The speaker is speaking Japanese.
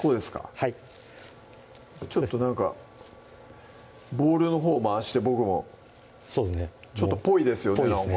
はいちょっとなんかボウルのほう回して僕もそうですねちょっとぽいですよねなんかぽいですね